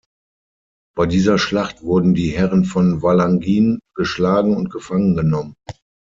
Bei dieser Schlacht wurden die Herren von Valangin geschlagen und gefangen genommen.